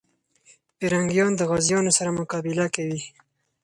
پرنګیان د غازيانو سره مقابله کوي.